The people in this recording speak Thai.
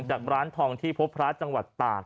จากร้านทองที่พบพระจังหวัดตาก